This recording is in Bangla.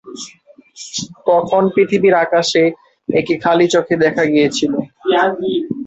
তখন পৃথিবীর আকাশে একে খালি চোখে দেখা গিয়েছিল।